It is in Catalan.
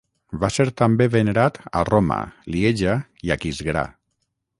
Va ser també venerat a Roma, Lieja i Aquisgrà.